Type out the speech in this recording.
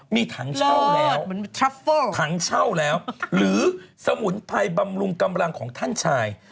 มีถังเช่าแล้วถังเช่าแล้วหรือสมุนไพรบำรุงกำลังของท่านชาย